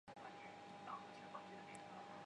该物种的模式产地在浙江坎门。